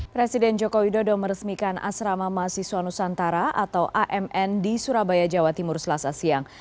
presiden joko widodo meresmikan asrama mahasiswa nusantara atau amn di surabaya jawa timur selasa siang